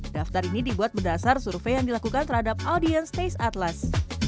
daftar ini dibuat berdasar survei yang dilakukan terhadap audiens taste atlas